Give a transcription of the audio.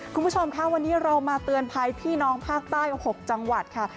คุณผู้ชมค่ะวันนี้เรามาเตือนภัยพี่น้องภาคใต้๖จังหวัดค่ะ